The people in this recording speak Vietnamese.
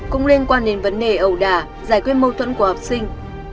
cũng liên quan đến vấn đề ẩu đà giải quyết mâu thuẫn của học sinh